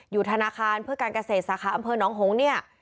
ธนาคารเพื่อการเกษตรสาขาอำเภอน้องหงษ์เนี่ย